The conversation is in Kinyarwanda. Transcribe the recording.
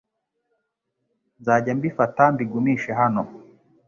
Nzajya mbifata mbigumishe hano